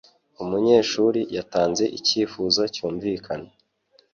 Umunyeshuri yatanze icyifuzo cyumvikana.